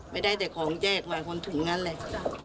ไม่ได้แต่ของแจกมาคนถึงงั้นแหละ